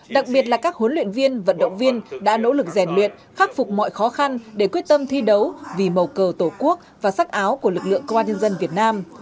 đặc biệt là các huấn luyện viên vận động viên đã nỗ lực rèn luyện khắc phục mọi khó khăn để quyết tâm thi đấu vì màu cờ tổ quốc và sắc áo của lực lượng công an nhân dân việt nam